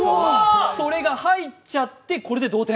それが入っちゃって、これで同点。